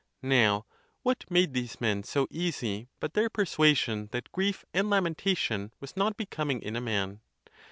Now what made these men so easy, but their persuasion that grief and lamentation was not becoming ina man?